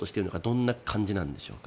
どんな感じなんでしょうか。